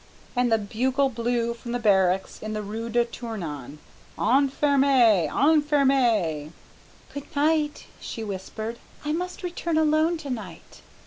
and the bugle blew from the barracks in the rue de Tournon. "On ferme! on ferme!" "Good night," she whispered, "I must return alone to night."